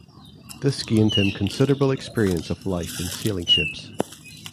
This gained him considerable experience of life in sailing ships.